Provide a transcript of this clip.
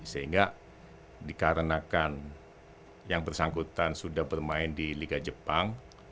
sehingga dikarenakan yang bersangkutan sudah bermain di liga jepang